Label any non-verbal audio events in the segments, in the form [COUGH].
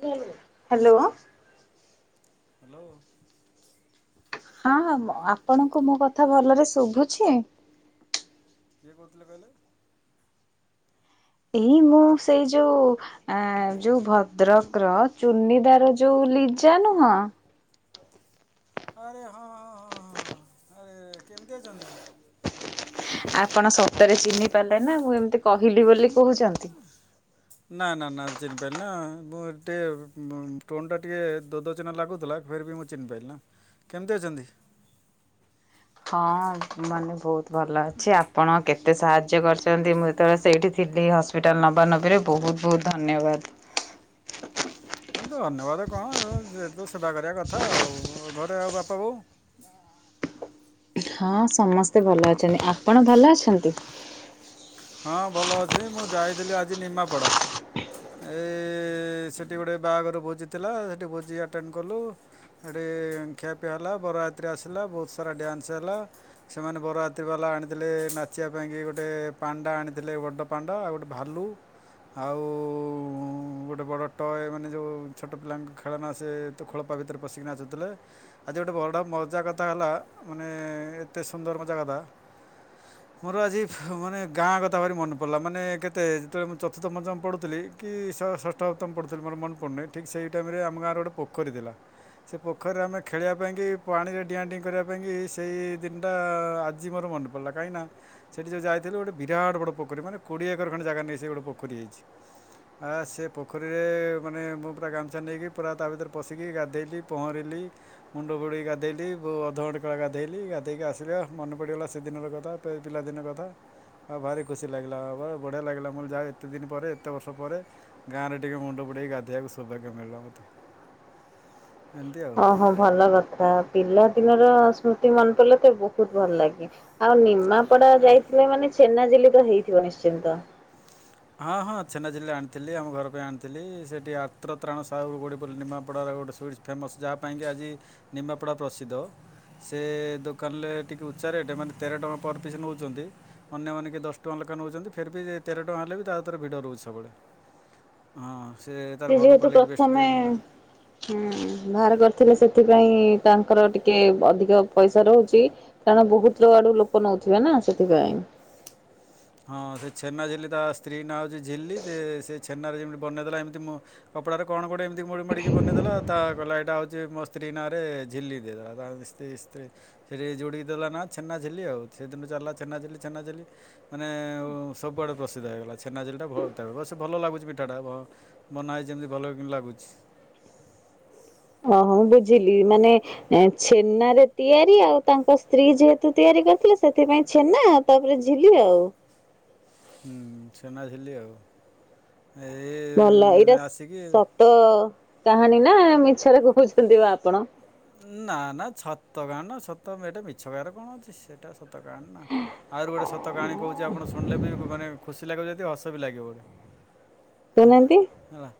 Hello hello ହଁ ଆପଣଙ୍କୁ ମୋ କଥା ଭଲରେ ଶୁଭୁଛି। କିଏ କହୁଥିଲେ କହିଲେ? ଏଇ ମୁଁ ସେଇ ଯୋଉ ଆ ଯୋଉ ଭଦ୍ରକ ର ଚୁନିଦାର ଯୋଉ ଲିଜା ନୁହଁ। ଆରେ ହଁ ହଁ ହଁ ହଁ ଆରେ କେମିତି ଅଛନ୍ତି? ଆପଣ ସତରେ ଚିହ୍ନି ପାରିଲେ ନା ମୁଁ ଏମିତି କହିଲି ବୋଲି କହୁଛନ୍ତି। ହୁ। ନା ନା ନା ଚିହ୍ନିପାରିଲି ନା ମୁଁ ଟିକେ ଟୋନ ଟା ଟିକେ ଦୋଦ ଚିହ୍ନା ଲାଗୁଥିଲା ଫେର ବି ମୁଁ ଚିହ୍ନପାଇଲ ନା କେମିତି ଅଛନ୍ତି? ହଁ ମାନେ ବହୁତ ଭଲ ଅଛି ଆପଣ କେତେ ସାହାଯ୍ୟ କରିଛନ୍ତି ମୁଁ ଯେତେବେଳେ ସେଇଠି ଥିଲି ହସ୍ପିଟାଲ ନବା ନବୀରେ ବହୁତ ବହୁତ ଧନ୍ୟବାଦ। ହଁ ଧନ୍ୟବାଦ କଣ ଯେହ ତ ସେବା କରିବା କଥା ଆଉ ଘରେ ଆଉ ବାପା ବୋଉ। ହଁ ସମସ୍ତେ ଭଲ ଅଛନ୍ତି ଆପଣ ଭଲ ଅଛନ୍ତି? ହଁ ଭଲ ଅଛି ମୁଁ ଯାଇଥିଲି ଆଜି ନିମାପଡା। ଏଇ ସେଠି ଗୋଟେ ବାହାଘର ଭୋଜି ଥିଲା ସେଠି ଭୋଜି ଆଟେଣ୍ଡ କଲୁ। ସେଠି ଖିଆପିଆ ହେଲା ବରଯାତ୍ରି ଆସିଲା ବହୁତ ସାରା ଡ୍ୟାନ୍ସ ହେଲା। ସେମାନେ ବରଯାତ୍ରି ବାଲା ଆଣିଥିଲେ ନାଚିବା ପାଇଁକି ଗୋଟେ ପାଣ୍ଡା ଆଣିଥିଲେ ବଡ଼ ପାଣ୍ଡା ଆଉ ଗୋଟେ ଭାଲୁ। ଆଉ ଗୋଟେ ଉଁ ଉଁ ବଡ଼ ଟୟ ମାନେ ଯେଉଁ ଛୋଟ ପିଲାଙ୍କ ଖେଳନା ସେ ତ ଖୋଳପା ଭିତରେ ପଶିକି ନାଚୁଥିଲେ। ଆଜି ଗୋଟେ ବଡ ମଜା କଥା ହେଲା ମାନେ ଏତେ ସୁନ୍ଦର ମଜା କଥା ମୋର ଆଜି ଫୁ ମାନେ ଗାଁ କଥା ଭାବି ମନେ ପଡ଼ିଲା ମାନେ କେତେ ଯେତେବେଳେ ମୁଁ ଚତୁର୍ଥ ପଞ୍ଚମ ପଢୁଥିଲି କି ଷ ଷଷ୍ ସପ୍ତମ ପଢୁଥିଲି ମୋର ମନ ପଡ଼ୁନି ଠିକ୍ ସେଇ ଟାଇମରେ ଆମ ଗାଁର ଗୋଟେ ପୋଖରୀ ଥିଲା ସେ ପୋଖରୀରେ ଆମେ ଖେଳିବା ପାଇଁକି ପାଣିରେ ଡିଆଁ ଡେଇଁ କରିବା ପାଇଁକି ସେଇ ଦିନଟା ଆଜି ମୋର ମନେ ପ ଡିଲା କାହିଁକିନା ସେଠି ଯୋଉ ଯାଇଥିଲୁ ଗୋଟେ ବିରାଟ ବଡ଼ ପୋଖରୀ ମାନେ କୋଡ଼ିଏ ଏକର ଖଣ୍ଡେ ଜାଗା ନେଇ ସେ ଗୋଟେ ପୋଖରୀ ହୋଇଚି। ଆ ସେ ପୋଖରୀରେ ମାନେ ମୁଁ ପୁରା ଗାମୁଛା ନେଇକି ପୁରା ତା ଭିତରେ ପଶିକି ଗାଧେଇଲି ପହଁରିଲି ମୁଣ୍ଡ ବୁଡ଼େଇକି ଗାଧେଇଲି ବ ଅଧଘଣ୍ଟେ କାଳ ଗାଧେଇଲି ଗାଧେଇକି ଆସିଲେ ଓ ମନେ ପଡ଼ିଗଲା ସେଦିନର କଥା ତେ ପିଲାଦିନ କଥା ଆ ଭାରି ଖୁସି ଲାଗିଲା ଆ ବଢ଼ିଆ ଲାଗିଲା ମୋର ଯାହା ଏତେ ଦିନ ପରେ ଏତେ ବର୍ଷ ପରେ ଗାଁରେ ଟିକେ ମୁଣ୍ଡ ବୁଡେଇକି ଗାଧେଇବାକୁ ସୋଭାଗ୍ୟ ମିଳିଲା ମତେ। ଓହୋ ଭଲ କଥା ପିଲାଦିନର ସ୍ମୃତି ମନେ ପଡିଲେ ତ ବହୁତ ଭଲ ଲାଗେ। ଆଉ ନିମାପଡା ଯାଇଥିଲେ ମାନେ ଛେନାଝିଲି ତ ହେଇଥିବ ନିଶ୍ଚିନ୍ତ। ହଁ ହଁ ଛେନାଝିଲି ଆଣିଥିଲି ଆମ ଘର ପାଇଁ ଆଣିଥିଲି ସେଠି ଆତ୍ରତ୍ରାଣ ସାହୁ ଗୋଟେ ନିମାପଡ଼ାର ଗୋଟେ ସୁଇଡସ୍ ଫେମସ୍ ଯାହା ପାଇଁକି ଆଜି ନିମାପଡ଼ା ପ୍ରସିଦ୍ଧ ସେ ଦୋକାନରେ ଟିକେ ଉଚ୍ଚା ରେଟ୍ ମାନେ ତେର ଟଙ୍କା ପର ପିସ୍ ନେଉଚନ୍ତି ଅନ୍ୟମାନେ କି ଦଶ ଟଙ୍କା ଲେଖା ନେଉଚନ୍ତି ଫେର୍ ବି ତେର ଟଙ୍କା ହେଲେ ବି ତା କତିରେ ଭିଡ଼ ରହୁଚି ସବୁବେଳେ ହଁ ସେ ତାର ଭଲ ଯେହେତୁ କ୍ୱାଲିଟି ବେଷ୍ଟ ବି ପ୍ରଥମେ ହୁଁ ବାହାର କରିଥିଲେ ସେଥିପାଇଁ ତାଙ୍କର ଟିକେ ଅଧିକ ପଇସା ରହୁଚି କାରଣ ବହୁତ ଆଡୁ ଲୋକ ନଉଥିବେ ନା ସେଥିପାଇଁ। ହଁ ସେ ଛେନାଝିଲି ତା ସ୍ତ୍ରୀ ନାଁ ହେଉଚି ଝିଲି ସେ ସେ ଛେନାରେ ଯେମିତି ବନେଇ ଦେଲା ଏମିତି ମୋ କପଡାରେ କଣ ଗୋଟେ ଏମିତି ମୋଡି ମାଡିକି ବନେଇଦେଲା ତା କହିଲା ଏଇଟା ହଉଚି ମୋ ସ୍ ସ୍ତ୍ରୀ ନାଁ ରେ ଝିଲି ଦେଇଦେଲା ତା ସ୍ତ୍ରୀ ସ୍ତ୍ରୀ ଫେରେ ଏ ଯୋଡ଼ି କି ଦେଲା ନା ଛେନା ଝିଲି ଆଉ ସେଦିନୁ ଚାଲିଲା ଛେନା ଝିଲି ଛେନା ଝିଲି। ମାନେ ଉଁ ସବୁଆଡ଼େ ପ୍ରସିଦ୍ଧ ହେଇଗଲା ଛେନା ଝିଲିଟା ବହୁତ ଅବଶ୍ୟ ଭଲ ଲାଗୁଚି ମିଠାଟା ଭ ବନା ହେଇଛି ଏମିତି ଭଲ ବି କିନ୍ତୁ ଲାଗୁଚି। ଓହୋ ମୁଁ ବୁଝିଲି ମାନେ ଏଁ ଛେ ଛେନାରେ ତିଆରି ଆଉ ତାଙ୍କ ସ୍ତ୍ରୀ ଯେହେତୁ ତିଆରି କରିଥିଲେ ସେଥିପାଇଁ ଛେନା ଆଉ ତାପରେ ଝିଲି ଆଉ। ହୁଁ ଛେନାଝିଲି ଆଉ ଏଇ ଆସିକି। ତ କାହାଣୀ ନା ମିଛରେ କହୁଚନ୍ତି ବା ଆପଣ। ନା ନା ଛତ କାହାଣି ନା ସତ ଏଇଟା ମିଛ କହିବାରେ କଣ ଅଛି ସେଟା ସତ। ସତ କାହାଣୀ ନା ଆହୁରି ଗୋଟେ ସତ କାହାଣୀ କହୁଚି ଆପଣ ଶୁଣିଲେ ବି ମାନେ। ଖୁସି ଲାଗିବ ଯେତି ‌କି ହସ ବି ଲାଗିବ ବୋଧେ କହୁନାହାନ୍ତି ହେଲା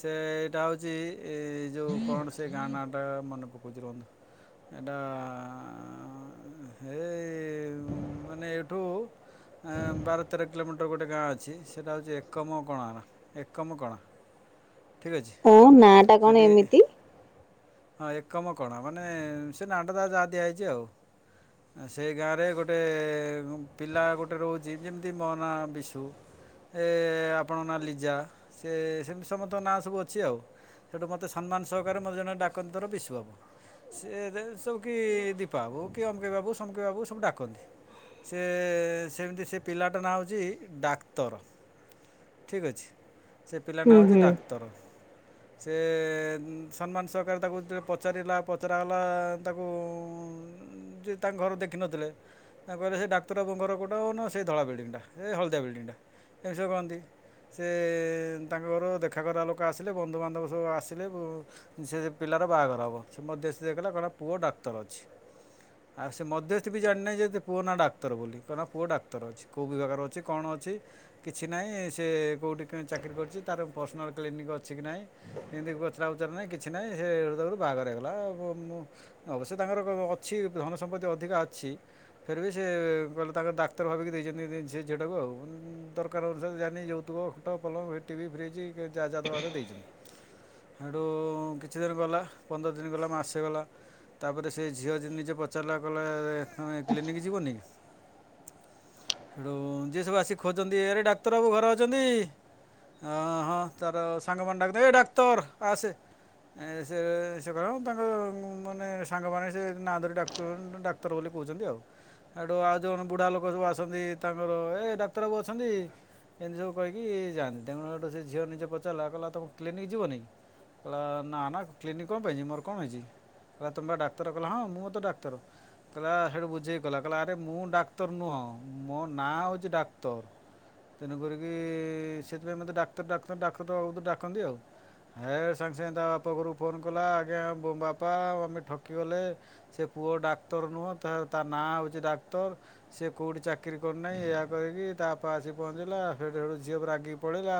ସେ ସେଇଟା ହଉଚି ଏ ଯୋଉ କଣ ସେ ଗାଁ ନାଟା ମନେ ପକଉଚି ରୁହନ୍ତୁ। ଏଟା ଆ ହେ ମାନେ ଏଇଠୁ। ଏଁ ବାର ତେର କିଲୋମିଟର ଗୋଟେ ଗାଁ ଅଛି ସେଇଟା ହଉଚି ଏକମ କଣା ନା ଏକମ କଣା। [INAUDIBLE] ହଁ ନାଁଟା କଣ ସେଠି ଏମିତି। ହଁ ଏକମ କଣା ମାନେ ସେ ନାଁ ଟା ତାର ଯାହା ଦିଆ ହେଇଚି ଆଉ। ଆ ସେଇ ଗାଁରେ ଗୋଟେ ପିଲା ଗୋଟେ ରହୁଚି ଯେମିତି ମୋ ନାଁ ବିଶୁ। ଏ ଆପଣଙ୍କ ନାଁ ଲିଜା ସେ ସେମିତି ସମସ୍ତଙ୍କ ନାଁ ସବୁ ଅଛି ଆଉ। ସେଇଠୁ ମୋତେ ସମ୍ମାନ ସହକାରେ ମତେ ଜଣେ ଡାକନ୍ତି ଧର ବିଶୁବାବୁ। ସେ ରେ ସବୁ କି ଦୀପା ବାବୁ କି ଅମକେଇ ବାବୁ ସମକେଇ ବାବୁ ସବୁ ଡାକନ୍ତି। ସେ ସେମିତି ସେ ପିଲାଟା ନାଁ ହଉଚି ଡାକ୍ତର। ଠିକ ଅଛି। ସେ ପିଲା ନାଁ ହୁଁ ହେଉଛି ହୁଁ। ଡାକ୍ତର ସେ ଏଁ ସମ୍ମାନ ସହ କାରେ ତାକୁ ଯେତେ ବେଳେ ପଚାରିଲା ପଚରା ଗଲା ତାକୁ ଉଁ। ଯେ ତାଙ୍କ ଘର ଦେଖି ନଥିଲେ। ତାଙ୍କୁ କହିଲେ ସେ ଡାକ୍ତର ବାବୁଙ୍କ ଘର କୋଉଟା ଓ ନା ସେ ଧଳା ବିଲ୍ଡିଙ୍ଗଟା ସେ ହଳଦିଆ ବିଲ୍ଡିଙ୍ଗଟା ଏମିତି ସବୁ କହନ୍ତି। ସେ ତାଙ୍କ ଘର ଦେଖା କରିବା ଲୋକ ଆସିଲେ ବନ୍ଧୁ ବାନ୍ଧବ ସବୁ ଆସିଲେ ବ ସେ। ପିଲାର ବାହାଘର ହବ ସେ ମଧ୍ୟସ୍ତି ଯାଇ କହିଲା ପୁଅ ଡାକ୍ତର ଅଛି। ଆଉ ସେ ମଧ୍ୟସ୍ତି ବି ଜାଣିନାଇ ଯେ ପୁଅ ନା ଡାକ୍ତର ବୋଲି କଣ ନା ପୁଅ ଡାକ୍ତର ଅଛି। କୋଉ ବିଭାଗରେ ଅଛି କଣ ଅଛି। କିଛି ନାହିଁ ସେ କୋଉଠି କି ଚାକିରି କରିଛି ତାର ପର୍ସନାଲ୍ କ୍ଲିନିକ୍ ଅଛି କି ନାହିଁ। ଏମିତି ପଚରା ଉଚରା ନାହିଁ କିଛି ନାହିଁ ସେ ସେଉଠୁ ତା ରୁ ବାହାଘର ହେଇଗଲା ଆ ମୁଁ। ଅବଶ୍ୟ ତାଙ୍କର କ‌ ଅଛି ଧନ ସମ୍ପତ୍ତି ଅଧିକା ଅଛି। ଫିର୍ ବିି ସେ କହିଲେ ତାଙ୍କ ଡାକ୍ତର ଭାବିକି ଦେଇଛନ୍ତି ସେ ଝିଅଟାକୁ ଆଉ ଦରକାର ଅନୁସାରେ ଜାନି ଯୋଉତୁକ। ଖଟ ପଲଙ୍କ ଭି ଟିଭି ଫ୍ରିଜ୍ ଯାହା ଯାହା ଦବା କଥା ଦେଇଛନ୍ତି ହେଠୁ କି କିଛି ଦିନ ଗଲା ପନ୍ଦର ଦିନ ଗଲା ମାସେ ଗଲା। ତା ପରେ ସେ ଝିଅ ଯେ ନିଜେ ପଚାରିଲା କଇଲା ତମେ କ୍ଲିନିକ୍ ଯିବନି କି। ସେଠୁ ଯିଏ ସବୁ ଆସିିକି ଖୋଛନ୍ତି ଆରେ ଡାକ୍ତର ବାବୁ ଘରେ ଅଛନ୍ତି। ଆଁ ହଁ ତାର ସାଙ୍ଗମାନେ ଡାକୁଥିବେ ଏ ଡାକ୍ତର ଆସେ। ଏ ସେ ସେ କହିବ ତାଙ୍କ ମାନେ ସାଙ୍ଗ ମାନେ ସେ ନା ଧରି ଡାକୁଥିବେ। ଡାକ୍ତର ବୋଲି କହୁଛନ୍ତି ଆଉ। ହେଠୁ ଆଉ ଜୋଣ ବୁଢ଼ା ଲୋକ ସବୁ ଆସନ୍ତି ତାଙ୍କର ଏ ଡାକ୍ତର ବାବୁ ଅଛନ୍ତି। ଏମିତି ସବୁ କହିକି ଯାଆନ୍ତି ତେଣୁ ହେଟୁ ସେ ଝିଅ ନିଜେ ପଚାରିଲା କହିଲା ତମେ କ୍ଲିନିକ୍ ଯିବନି କି। କଇଲା ନା ନା କ୍ଲିନିକ୍ କଣ ପାଇଁ ଯିବି ମୋର କଣ ହେଇଛି କି। କହିଲା ତମେ ବା ଡାକ୍ତର କିହିଲା ହଁ ମୁଁ ତ ଡାକ୍ତର। କହିଲା ହେଠୁ ବୁଝେଇକି କହିଲା ଆରେ ମୁଁ ଡାକ୍ତର ନୁହଁ ମୋ ନାଁ ହଉଚି ଡାକ୍ତର। ତେଣୁ କରିକି ସେଥିପାଇଁ ମୋତେ ଡାକ୍ତର ଡାକ୍ତର ଡାକ୍ତର ବାବୁ ଡାକନ୍ତି ଆଉ। ହେ ଟୁ ସାଙ୍ଗେ ସାଙ୍ଗେ ତା ବାପ ଘରୁ କୁ ଫୋନ କଲା ଆଜ୍ଞା ବୋ ବାପା ଆଉ ଆମେ ଠକିଗଲେ। ସେ ପୁଅ ଡାକ୍ତର ନୁହଁ ତା ତା ନାଁ ହଉଛି ଡାକ୍ତର। ସେ କୋଉଠି ଚାକିରି କରିନାହିଁ ଏହା କହିକି ତା ବାପା ଆସି ପହଞ୍ଚିଲା ହେଠୁ ସେଠୁ ଝିଅ ରାଗିକି ପଳେଇଲା।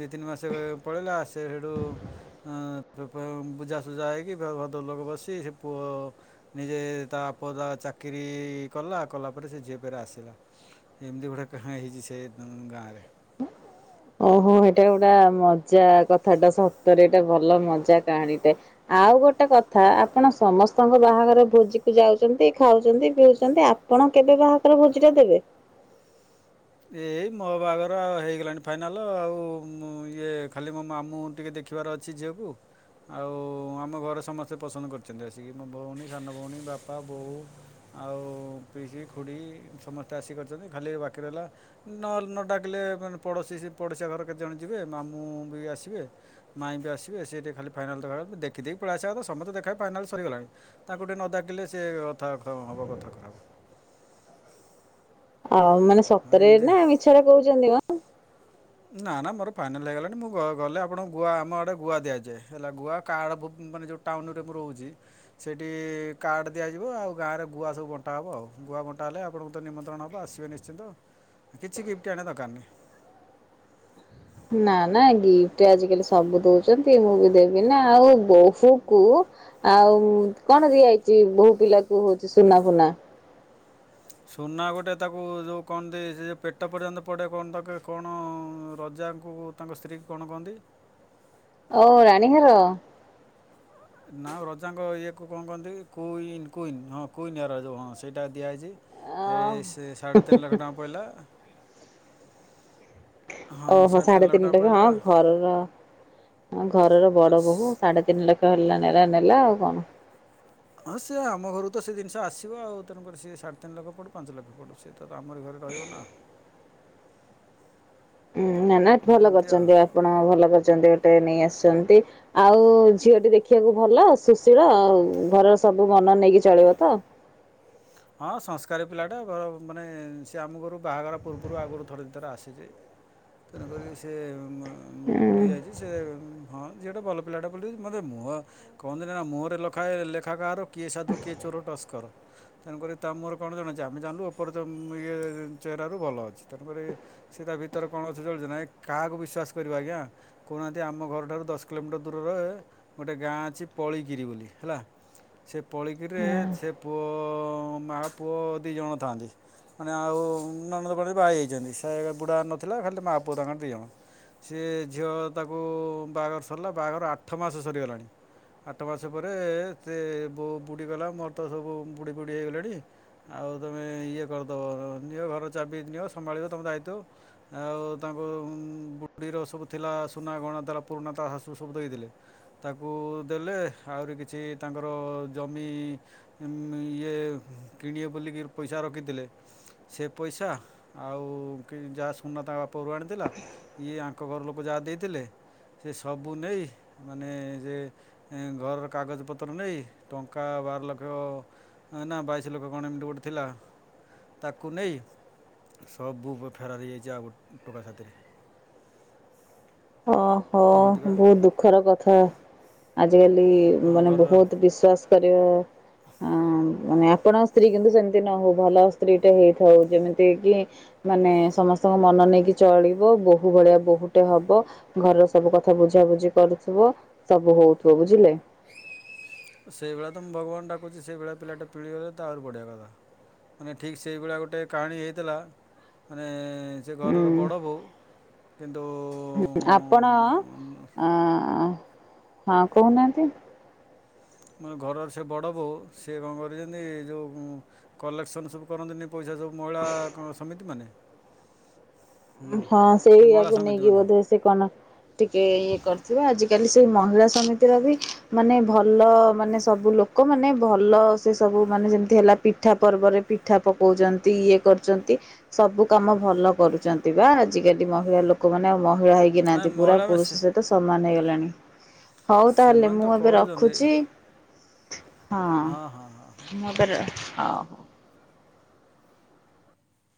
ଦି ତିନି ମାସ ରେ ପଳେଇଲା ସେ ସେଇଠୁ ଅଁ, ତ ପାଉଁ ବୁଝାସୁଝା ହେଇକି ଫେର ଭଦ୍ର ଲୋକ ବସି ସେ ପୁଅ ନିଜେ ତା ପୁଅ ତା ଚାକିରି କଲା, କଲା ପରେ ସେ ଝିଅ ଫେରେ ଆସିଲା। ଏମିତି ଗୋଟେ କାହାଣୀ ହେଇଚି ସେ ଉଁ, ଗାଁରେ। ଓହୋ! ଏଟା ଗୋଟା ମଜା କଥା ଟା ସତରେ ଏଟା ଭଲ ମଜା କାହାଣୀ ଟେ। ଆଉ ଗୋଟେ କଥା ଆପଣ ସମସ୍ତଙ୍କ ବାହାଘର ଭୋଜିକୁ ଯାଉଚନ୍ତି, ଖାଉଚନ୍ତି, ପିଉଚନ୍ତି, ଆପ ପଣ କେବେ ବାହାଘର ଭୋଜି ଟା ଦେବେ? ଏଇ ମୋ ବାହାଘର ହେଇଗଲାଣି ଫାଇନାଲ ଆଉ ମୁଁ ଇଏ ଖାଲି ମୋ ମାମୁଁ ଟିକେ ଦେ ଖିବାର ଅଛି ଝିଅକୁ। ଆଉ ଆମ ଘରେ ସମସ୍ତେ ପସନ୍ଦ କରିଛନ୍ତି ଆସିକି, ମୋ ଭଉଣୀ ସାନ ଭଉଣୀ ବାପା, ବୋଉ ଆଉ ପିଇସି, ଖୁଡ଼ି ସମସ୍ତେ ଆସି କରିଛନ୍ତି, ଖାଲି ବାକି ରହିଲା ନହେଲେ ନ ଡାକିଲେ ମାନେ ପଡ଼ୋଶୀ ସେ ପଡ଼ୋଶୀ ଘର କେତେଜଣ ଯିବେ ମାମୁଁ ବି ଆସିବେ ମାଇଁ ବି ଆସିବେ ସେ ଟିକେ ଖାଲି ଫାଇନାଲ୍ ଦେଖା ତ ଦେଖି ଦେଇକି ପଳି ଆସିବା କଥା, ସମସ୍ତେ ଦେଖା ଫାଇନାଲ୍ ସରିଗଲାଣି। ତାଙ୍କୁ ଟିକେ ନ ଡାକିଲେ ସେ କଥା ଖ-ହବ କଥା ଖରାପ। ଆଉ ମାନେ ହଁ ସତରେ ଏମିତି ନା ମିଛରେ କହୁଚନ୍ତି ମୋ? ନା ନା ମୋର ଫାଇନାଲ୍ ହେଇଗଲାଣି ମୁଁ ଗ-ଗଲେ ଆପଣଙ୍କୁ ଗୁଆ, ଆମ ଆଡ଼େ ଗୁଆ ଦିଆଯାଏ, ହେଲା ଗୁଆ କାର୍ଡ଼ ଭୁବ୍ ମାନେ ଯୋଉ ଟାଉନ୍ ରେ ମୁଁ ରହୁଚି। ସେଇଠି କାର୍ଡ଼ ଦିଆଯିବ, ଆଉ ଗାଁରେ ଗୁଆ ସବୁ ବଣ୍ଟା ହବ ଆଉ, ଗୁଆ ବଣ୍ଟା ହେଲେ ଆପଣଙ୍କୁ ତ ନିମନ୍ତ୍ରଣ ହବ ଆସିବେ ନିଶ୍ ଶ୍ଚିତ, କିଛି ଗିଫ୍ଟ ଆଣିବା ଦରକାର ନାହିଁ। ନା, ନା ଗିଫ୍ଟ ଆଜିକାଲି ସବୁ ଦଉଚନ୍ତି ମୁଁ ବି ଦେବି ନା, ଆଉ ବୋହୂ କୁ ଆଉ କଣ ଦିଆହେଇଚି ବୋହୂ ପିଲାକୁ ହଉଛି ସୁନା ଫୁନା? ସୁନା ଗୋଟେ ତାକୁ ଯୋଉ କଣ ଦେଇଚି ଯେ ପେଟ ପର୍ଯ୍ୟନ୍ତ ପଡ଼େ କଣ ତାକେ କଣ ରଜାଙ୍କୁ ତାଙ୍କ ସ୍ତ୍ରୀ କି କଣ କହନ୍ତି? ଓ ରାଣୀ ହାର? [INAUDIBLE] ନା ରଜାଙ୍କ ଇଏକୁ କଣ କହନ୍ତି କୁଇନ୍ କୁଇନ୍, ହଁ କୁଇନ୍ ହାର ଯୋଉ ହଁ ସେଇଟା ଦିଆହେଇଛି। ଅ ଏ ସେ ସାଢ଼େ ତିନି ଲକ୍ଷ ଟଙ୍କା ପଇଲା। ହଁ ଓହୋ! ସାଢ଼େ ସାଢେ ତିନି ଟଙ୍କା ଲକ୍ଷ ପଇଲା ହଁ ଘରର ହଁ ଘରର ହଁ ବଡ ବୋହୂ ସ- ସାଢେ ତିନି ଲକ୍ ତ ହେଲା ନେ ଏ ନେଲା ଆଉ କଣ? ହଁ ସେ ଆମ ଘରୁ ତ ସେ ଜିନିଷ ଆସିବ ଆଉ, ତେଣୁକରି ସିଏ ସାଢ଼େ ତିନି ଲକ୍ଷ ପଡୁ ପାଞ୍ଚ ଲକ୍ଷ ପଡୁ ସେ ଟା ତ ଆମରି ଘରେ ରହିବ ନା। ହୁଁ, ନା ନା ହଁ ଭଲ ଏମିତି ଆଉ କରିଚନ୍ତି ଆ ଆପଣ ଭଲ କରିଛନ୍ତି ଗୋଟେ ନେଇ ଆସିଛନ୍ତି। ଆଉ ଝିଅଟି ଦେଖିବାକୁ ଭଲ ସୁଶୀଳ ଆଉ ଘରର ସବୁ ମନ ନେଇକି ଚଳିବ ତ? ହଁ ସଂସ୍କାରୀ ପିଲାଟା ଭଲ ମାନେ ସିଏ ଆମ ଘରକୁ ବାହାଘର ପୂର୍ବରୁ ଆଗରୁ ଥରେ ଦି ଥର ଆସିଚି। ତେଣୁ କରିକି ସେ ଅଁ, ମ- ଉଁ ବୁଲି ଯାଇଚି। ଚି ସେ ଉଁ, ହଁ ଝିଅଟା ଭଲ ପିଲାଟା ବୋଲି ମୋତେ ମୁହଁ କହନ୍ତି ନା ମୁହଁରେ ଲଖାଏ ଲେଖା କାହାର କିଏ ସାଧୁ କିଏ ଚୋର ଟସ୍କର। ତେଣୁ କରି ତା ମୁହଁରୁ କଣ ଜଣାଛି। ଆମେ ଜାଣିଲୁ ଉପର ଯୋଉ ଉଁ, ଇଏ ଚେହରାରୁ ଭଲ ଅଛି। ତେଣୁ କରି ସେ ତା ଭିତରେ କଣ ଅଛି ଜଳୁଚି ନା, ଏ କାହାକୁ ବିଶ୍ଵାସ କରିବ ଆଜ୍ଞା। କହୁନାହାନ୍ତି ଆମ ଘରଠାରୁ ଦଶ କିଲୋମିଟର ଦୂରରେ ଗୋଟେ ଗାଁ ଅଛି ପଳିକିରି ବୋଲି ହେଲା। ସେ ପଳିକିରି ହଁ ରେ ସେ ପୁଅ ମା ପୁଅ ଦି ଜଣ ଥାଆନ୍ତି। ମାନେ ଆଉ ନଣନ୍ଦ ଫଣନ୍ଦ ବାହାହେଇ ଯାଇଛନ୍ତି। ସେ ବୁଢ଼ା ନଥିଲା ଖାଲି ମାଆ ପୁଅ ତାଙ୍କର ଦି ଜଣ। ସେ ଝିଅ ତାକୁ ବାହାଘର ସରିଲା, ବାହାଘର ଆଠ ମାସ ସରିଗଲାଣି। ଆଠ ମାସ ପରେ ସେ ବୋ ବୁଢ଼ୀ କହିଲା ମୋର ତ ସବୁ ବୁଢ଼ୀ ଫୁଢ଼ି ହେଇଗଲେଣି ଆଉ ତୋମେ ଇଏ କରିଦବ, ନିଅ ଘର ଚାବି ନିଅ ସମ୍ଭାଳିବ ତୋମ ଦାୟିତ୍ୱ। ଆଉ ତାଙ୍କୁ ଉଁ, ବୁଢିର ସବୁ ଥିଲା ସୁନା ଗହଣା ତାର ପୁରୁଣା ତା ଶାଶୁ ସବୁ ଦେଇଥିଲେ। ତାକୁ ଦେଲେ, ଆହୁରି କିଛି ତାଙ୍କର ଜମି ଉଁ, ଇଏ କିଣିବେ ବୋଲିକିର ପଇସା ରଖିଥିଲେ ସେ ପଇସା, ଆଉ କି-ଯାହା ସୁନା ତା ବାପଘରୁ ଆଣିଥିଲା ଇଏ ଆଙ୍କ ଘର ଲୋକ ଯାହା ଦେଇଥିଲେ। ସେ ସବୁ ନେଇ ମାନେ ଯେ ଏ ଘରର କାଗଜପତ୍ର ନେଇ ଟଙ୍କା ବାର ଲକ୍ଷ ହଁ ନା ବାଇଶି ଲୋକ କଣ ଏମିତି ଗୋଟେ ଥିଲା। ତାକୁ ନେଇ ସବୁ ବା ଫେରାର ହେଇଯାଇଛି। ଆଉ ଗୋଟେ ଟୋକା ସାଥିରେ। ଓହୋ ଏମିତିକା ବହୁତ ଦୁଃଖର କଥା। ଆଜିକାଲି ଆମ ମାନେ ଘରର ବହୁତ ବିଶ୍ୱାସ କରିବା ଆଁ ମାନେ ଆପଣଙ୍କ ସ୍ତ୍ରୀ କିନ୍ତୁ ସେମିତି ନ ହଉ। ଭଲ ସ୍ତ୍ରୀଟେ ହେଇଥାଉ ଯେମିତି କି ମାନେ ସମସ୍ତଙ୍କ ମନ ନେଇକି ଚଳିବ। ବୋହୂ ଭଳିଆ ବୋହୂଟେ ହବ। ଘରର ସବୁ କଥା ବୁଝାବୁଝି କରୁଥିବ। ସବୁ ହଉଥିବ ବୁଝିଲେ। [INAUDIBLE] ସେଇଭଳିଆ ତ ମୁଁ ଭଗବାନ ଡାକୁଛି। ସେଇଭଳିଆ ପିଲାଟା ମିଳିଗଲେ ତୋ ଆହୁରି ବଢିଆ କଥା। ମାନେ ଠିକ୍ ସେଇଭଳିଆ ଗୋଟେ କାହାଣୀ ହେଇଥିଲା। ମାନେ ସେ ଉଁ ଘରର ବଡ଼ ବୋହୂ। [INAUDIBLE] କିନ୍ତୁ ଆପଣ! ଆଁ ହଁ କହୁନାହାନ୍ତି। ମାନେ ଘରର ସେ ବଡ଼ ବୋହୂ। ସେ କଣ କରିଛନ୍ତି ଯୋଉ କଲେକ୍ସନ୍ ସବୁ କରନ୍ତିନି ପଇସା ସବୁ ମହିଳା ସମିତି ମାନେ। ହଁ ସେଇ ଆକୁ ନେଇକି ବଧେ ସେ କଣ ଟିକେ ଏଇ କରିଥିବେ। ଆଜିିକାଲି ସେଇ ମହିଳା ସମିତିର ବି ମାନେ ଭଲ ମାନେ ସବୁ ଲୋକ ମାନେ ଭଲ। ସେ ସବୁ ମାନେ ଯେମିତି ହେଲା ପିଠା ପର୍ବରେ ବି। ମିଠା ପକଉଛନ୍ତି। ଇଏ କରୁଛନ୍ତି ସବୁ କାମ ଭଲ କରୁଛନ୍ତି। ବା ଆଜିକାଲି ମହିଳା ଲୋକମାନେ ଆଉ ମହିଳା ହେଇକି ନାଇଁ ନାହାନ୍ତି। ପୁରା ମହିଳା ପୁରୁଷ ସହିତ ସମାନ ହେଇଗଲାଣି। ହଉ ତାହେଲେ ସେମାନେ ତ ମୁଁ ଏବେ କରୁଛନ୍ତି ରଖୁଛି। [INAUDIBLE] ହଁ। [INAUDIBLE] ହଉ